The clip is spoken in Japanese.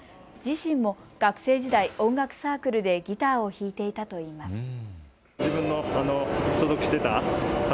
自身も学生時代、音楽サークルでギターを弾いていたといいます。